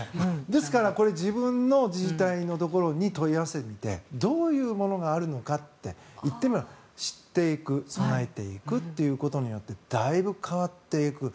ですから自分の自治体のところに問い合わせてみてどういうものがあるのかって知っていく備えていくということによってだいぶ変わっていく。